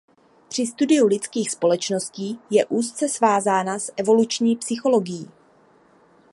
Při studiu lidských společností je úzce svázána s evoluční psychologií.